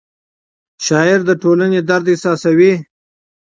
شاعر د ټولنې درد احساسوي.